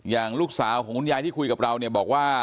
อย่างลูกสาวของคุณยายที่คุยกับเราเนี่ยบอกว่า